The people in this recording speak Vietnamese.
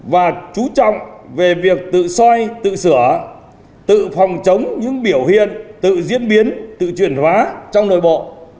và chú trọng về việc tự soi tự sửa tự phòng chống những biểu hiện tự diễn biến tự chuyển hóa trong nội bộ